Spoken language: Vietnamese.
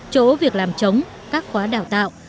chỗ việc làm chống các khóa đào tạo